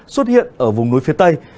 xuất hiện ở vùng núi phía tây